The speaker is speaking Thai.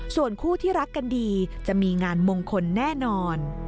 ส่วนคู่ที่รักกันดีจะมีงานมงคลแน่นอน